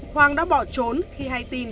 hoàng đã bỏ trốn khi hay tin